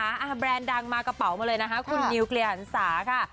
แบรนด์ดังมากระเป๋ามาเลยนะคะคุณนิวเคลียร์หันศาค่ะ